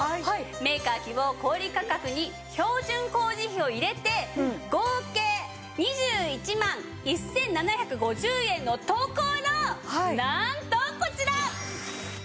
メーカー希望小売価格に標準工事費を入れて合計２１万１７５０円のところなんとこちら！